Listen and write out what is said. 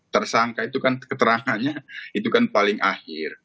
tersangka itu kan keterangannya itu kan paling akhir